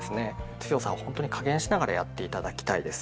強さをほんとに加減しながらやって頂きたいです。